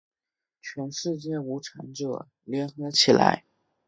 全世界无产者，联合起来！